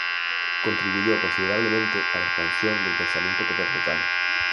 Contribuyó considerablemente a la expansión del pensamiento copernicano.